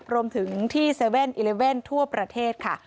รวมถึงที่๗๑๑ทั่วประเทศค่ะ